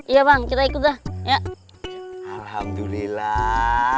iya bang kita ikutlah ya alhamdulillah